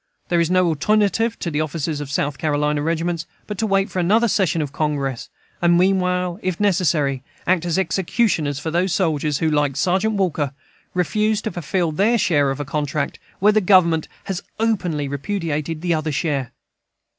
There is no alternative for the officers of South Carolina regiments but to wait for another session of Congress, and meanwhile, if necessary, act as executioners for those soldiers who, like Sergeant Walker, refuse to fulfil their share of a contract where the Government has openly repudiated the other share.